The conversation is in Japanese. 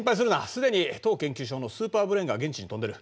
すでに当研究所のスーパーブレーンが現地に飛んでる。